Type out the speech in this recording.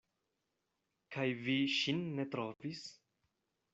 Kaj vi ŝin ne trovis?